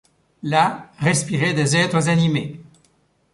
Là respiraient des êtres animés.